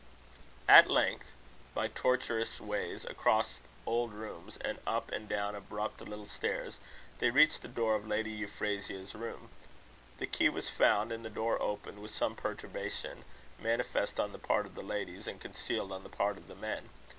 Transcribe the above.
At length, by tortuous ways, across old rooms, and up and down abrupt little stairs, they reached the door of Lady Euphrasia's room. The key was found, and the door opened with some perturbation manifest on the part of the ladies, and concealed on the part of the men.